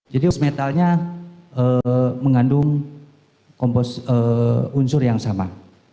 jadi kompos metalnya mengandung kompos unsur yang sama